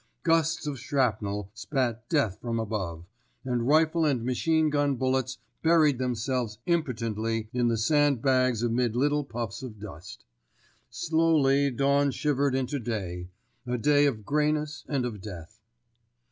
Gusts of shrapnel spat death from above, and rifle and machine gun bullets buried themselves impotently in the sandbags amid little puffs of dust. Slowly dawn shivered into day—a day of greyness and of death.